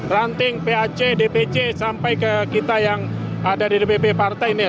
ranting pac dpc sampai ke kita yang ada di dpp partai ini